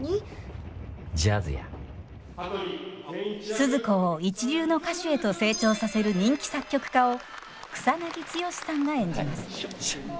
スズ子を一流の歌手へと成長させる人気作曲家を草剛さんが演じます。